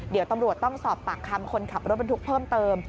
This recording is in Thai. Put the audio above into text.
เดี๋ยวตำรวจต้องสอบปากคำคนขับรถบรรทุกเพิ่มเติม